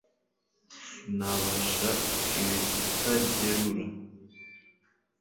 sinabasha ibitagerura